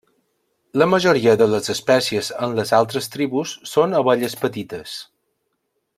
La majoria de les espècies en les altres tribus són abelles petites.